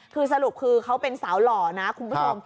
คือสรุปคือเขาเป็นสาวหล่อนะคุณผู้ชม